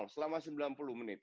selama sembilan puluh menit